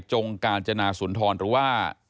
จงกาญจนาสุนทรหรือว่า